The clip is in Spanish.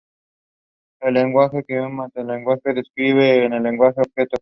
El lenguaje que un metalenguaje describe es el lenguaje objeto.